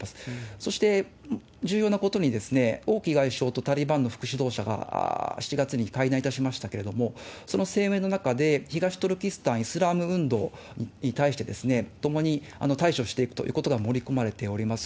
そして、重要なことに、王毅外相とタリバンの副指導者が７月に会談いたしましたけれども、その声明の中で、東トルキスタン・イスラム運動に対して、共に対処していくということが盛り込まれております。